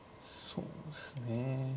そうですね。